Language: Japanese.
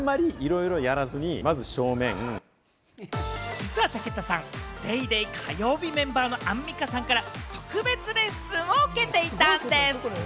実は武田さん、『ＤａｙＤａｙ．』火曜日メンバーのアンミカさんから特別レッスンを受けていたんです。